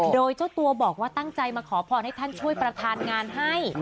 โดยเจ้าตัวบอกว่าตั้งใจมาขอพรให้ท่านช่วยประธานงานให้